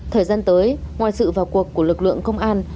thời gian tới ngoài sự vào cuộc của lực lượng công an